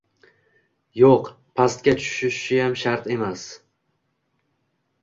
Yo‘q pastga tushishiyam shart emas